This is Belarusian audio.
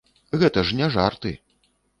Гэта ж не жарты!